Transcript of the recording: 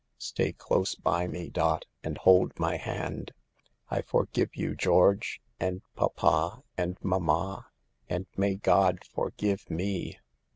Stay close by me, Dot, and hold my hand. I forgive you, George, and papa and mamma, and may God forgive me."